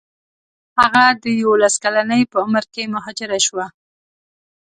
هغه د یوولس کلنۍ په عمر کې مهاجره شوه.